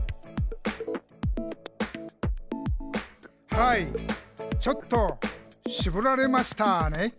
「はいちょっとしぼられましたね」